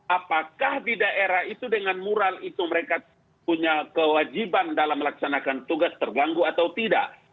apakah di daerah itu dengan mural itu mereka punya kewajiban dalam melaksanakan tugas terganggu atau tidak